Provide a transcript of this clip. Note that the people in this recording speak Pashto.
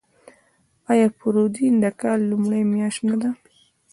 آیا فروردین د کال لومړۍ میاشت نه ده؟